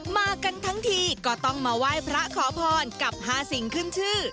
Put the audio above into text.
มากันทั้งทีก็ต้องมาไหว้พระขอพรกับ๕สิ่งขึ้นชื่อ